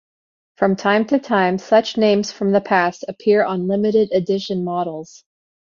From time to time, such names from the past appear on limited edition models.